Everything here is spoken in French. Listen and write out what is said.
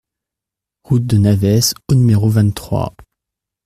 Route de Navès au numéro vingt-trois